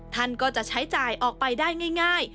ท่านก็จะใช้จ่ายออกไปได้ง่าย